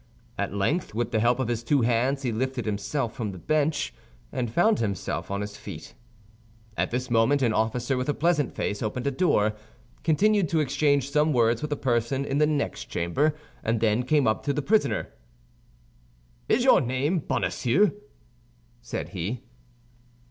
At length, with the help of his two hands he lifted himself from the bench, and found himself on his feet. At this moment an officer with a pleasant face opened a door, continued to exchange some words with a person in the next chamber and then came up to the prisoner. "Is your name Bonacieux?" said he.